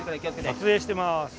撮影してます。